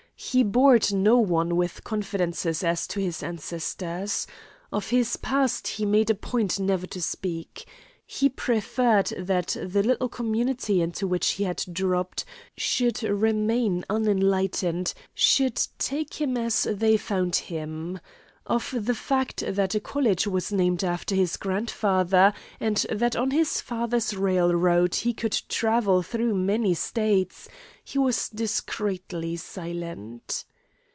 He bored no one with confidences as to his ancestors. Of his past he made a point never to speak. He preferred that the little community into which he had dropped should remain unenlightened, should take him as they found him. Of the fact that a college was named after his grandfather and that on his father's railroad he could travel through many States, he was discreetly silent.